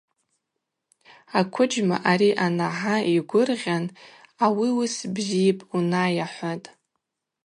Аквыджьма ари анагӏа йгвыргъьан – Ауи уыс бзипӏ, унай, – ахӏватӏ.